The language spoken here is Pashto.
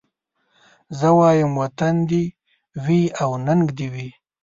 زه وايم وطن دي وي او ننګ دي وي